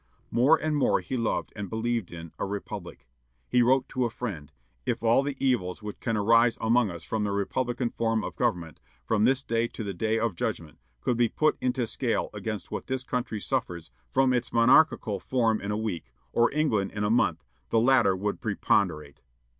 More and more he loved, and believed in, a republic. He wrote to a friend: "If all the evils which can arise among us from the republican form of government, from this day to the day of judgment, could be put into scale against what this country suffers from its monarchical form in a week, or England in a month, the latter would preponderate.